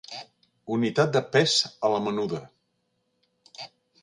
Unitat de pes a la menuda.